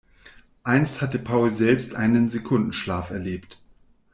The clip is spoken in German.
Einst hatte Paul selbst einen Sekundenschlaf erlebt.